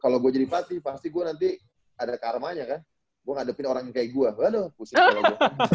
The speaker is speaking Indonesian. kalau gue jadi pelatih pasti gue nanti ada karmanya kan gue ngadepin orang yang kayak gue aduh khusus gue